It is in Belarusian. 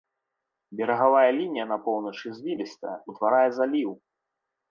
Берагавая лінія на поўначы звілістая, утварае заліў.